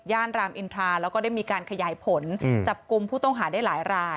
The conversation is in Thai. รามอินทราแล้วก็ได้มีการขยายผลจับกลุ่มผู้ต้องหาได้หลายราย